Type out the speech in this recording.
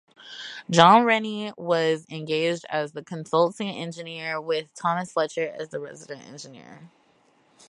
John Rennie was engaged as the consulting engineer, with Thomas Fletcher as resident engineer.